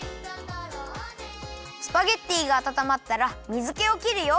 スパゲッティがあたたまったら水けをきるよ。